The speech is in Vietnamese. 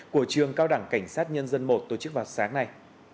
của trường cao đẳng cảnh sát nhân dân một tổ chức vào sáng nay